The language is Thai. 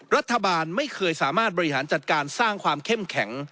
รัฐบาลไม่เคยสามารถบริหารจัดการสร้างความเข้มแข็ง